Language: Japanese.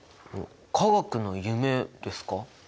「化学の夢」ですか？